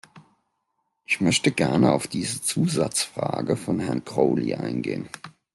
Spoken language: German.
Ich möchte gerne auf diese Zusatzfrage von Herrn Crowley eingehen.